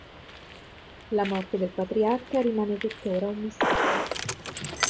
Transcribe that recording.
La morte del patriarca rimane tuttora un mistero.